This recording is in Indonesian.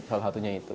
salah satunya itu